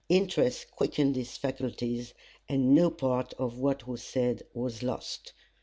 Interest quickened his faculties, and no part of what was said was lost.